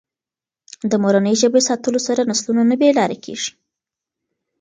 د مورنۍ ژبه ساتلو سره نسلونه نه بې لارې کېږي.